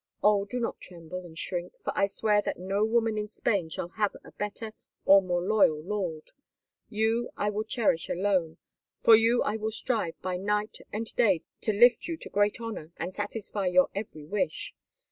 Oh! do not tremble and shrink, for I swear that no woman in Spain shall have a better or a more loyal lord. You I will cherish alone, for you I will strive by night and day to lift you to great honour and satisfy your every wish.